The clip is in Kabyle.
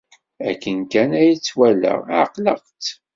Akken kan ay tt-walaɣ, ɛeqleɣ-tt.